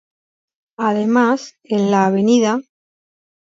Además, en la Av.